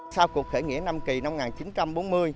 sau cuộc khởi nghĩa nam kỳ năm một nghìn chín trăm bốn mươi